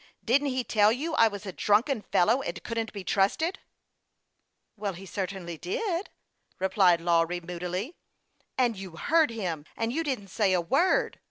Didn't he tell you I was a drunken fellow, and couldn't be trusted ?"" Well, he certainly did," replied Lawry, moodily. " And you heard him ! And you didn't say a word